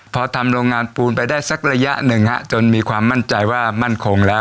พอทำโรงงานปูนไปได้สักระยะหนึ่งฮะจนมีความมั่นใจว่ามั่นคงแล้ว